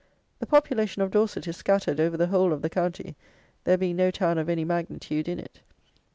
The population of Dorset is scattered over the whole of the county, there being no town of any magnitude in it.